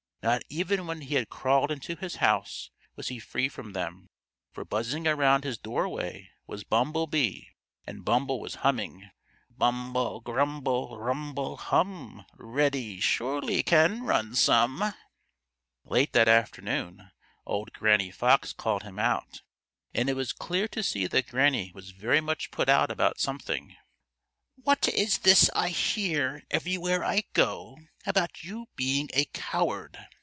Not even when he had crawled into his house was he free from them, for buzzing around his doorway was Bumble Bee and Bumble was humming: "Bumble, grumble, rumble, hum! Reddy surely can run some." Late that afternoon old Granny Fox called him out, and it was clear to see that Granny was very much put out about something. "What is this I hear everywhere I go about you being a coward?"